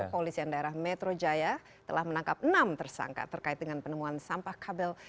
polisian daerah metro jaya telah menangkap enam tersangka terkait dengan penemuan sampah kabel